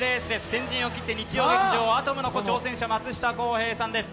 先陣を切って日曜劇場「アトムの童」、挑戦者、松下洸平さんです。